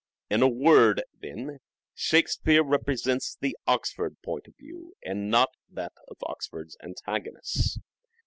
In a word, then, Shakespeare represents the Oxford point of view and not that of Oxford's antagonists.